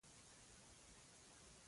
برېښنا د ژوند تر ټولو ډېره اړینه انرژي ده.